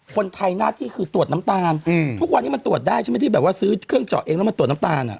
คนไทยหน้าที่คือตรวจน้ำตาลทุกวันนี้มันตรวจได้ใช่ไหมที่แบบว่าซื้อเครื่องเจาะเองแล้วมาตรวจน้ำตาลอ่ะ